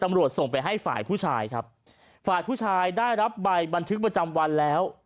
ส่งไปให้ฝ่ายผู้ชายครับฝ่ายผู้ชายได้รับใบบันทึกประจำวันแล้ว